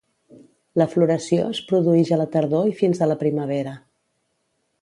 La floració es produïx a la tardor i fins a la primavera.